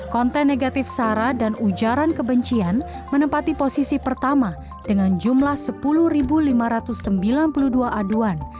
konten negatif sara dan ujaran kebencian menempati posisi pertama dengan jumlah sepuluh lima ratus sembilan puluh dua aduan